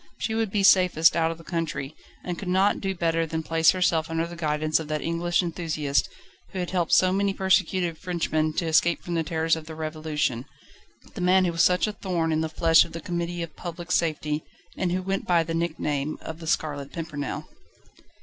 She would be safest out of the country, and could not do better than place herself under the guidance of that English enthusiast, who had helped so many persecuted Frenchmen to escape from the terrors of the Revolution: the man who was such a thorn in the flesh of the Committee of Public Safety, and who went by the nickname of The Scarlet Pimpernel.